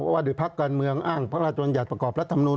วัดดิบพรรคการเมืองอ้างพระราชมัตยัตริย์ประกอบรัฐธรรมนุน